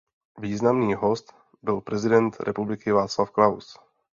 Významný host byl prezident republiky Václav Klaus.